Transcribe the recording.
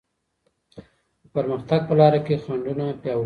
د پرمختګ په لاره کي خنډونه پیاوړې کيږي.